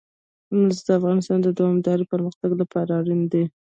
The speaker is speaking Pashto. مس د افغانستان د دوامداره پرمختګ لپاره اړین دي.